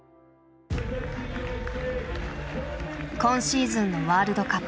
今シーズンのワールドカップ。